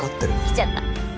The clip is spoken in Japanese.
来ちゃった。